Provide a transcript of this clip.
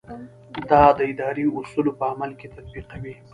دا د ادارې اصول په عمل کې تطبیقوي.